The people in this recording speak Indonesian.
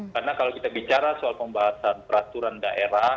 karena kalau kita bicara soal pembahasan peraturan daerah